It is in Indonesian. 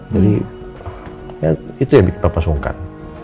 jadi ya itu yang bikin bapak sungkan